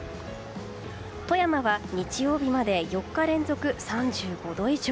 富山は日曜日まで４日連続３５度以上。